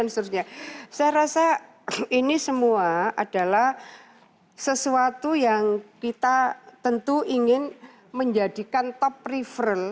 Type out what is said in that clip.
saya rasa ini semua adalah sesuatu yang kita tentu ingin menjadikan top referent